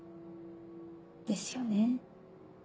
ですよね。